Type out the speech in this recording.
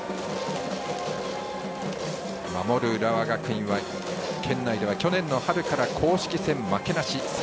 守る浦和学院は県内では去年の春から公式戦負けなし。